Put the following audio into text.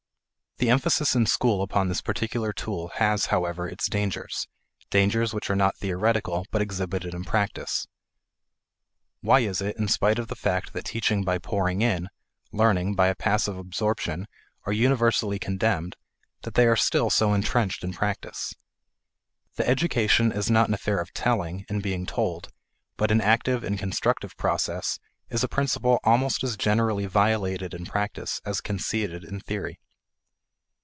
The emphasis in school upon this particular tool has, however, its dangers dangers which are not theoretical but exhibited in practice. Why is it, in spite of the fact that teaching by pouring in, learning by a passive absorption, are universally condemned, that they are still so entrenched in practice? That education is not an affair of "telling" and being told, but an active and constructive process, is a principle almost as generally violated in practice as conceded in theory.